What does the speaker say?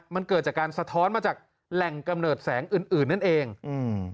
มันเกิดจากการสะท้อนมาจากแหล่งกำเนิดแสงอื่นอื่นนั่นเองอืม